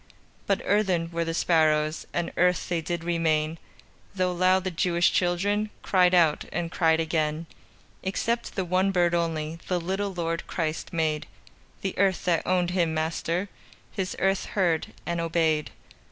But earthen were the sparrows, And earth they did remain, Though loud the Jewish children Cried out, and cried again. Except the one bird only The little Lord Christ made; The earth that owned Him Master, His earth heard and obeyed.